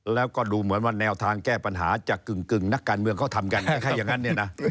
แล้วก็ดูเหมือนว่าแนวทางแก้ปัญหาจะกึ่งนักการเมืองเขาทำกันแค่อย่างนั้นเนี่ยนะ